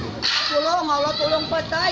tidak ada yang dapat dihantam